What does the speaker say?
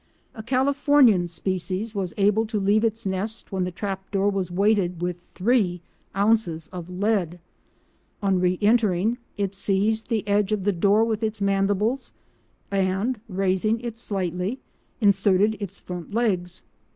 A Californian species was able to leave its nest when the trap door was weighted with three ounces of lead. On re entering, it seized the edge of the door with its mandibles, and, raising it slightly, inserted its front legs.